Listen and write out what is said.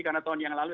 karena tahun yang lalu